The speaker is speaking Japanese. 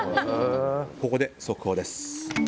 ここで速報です。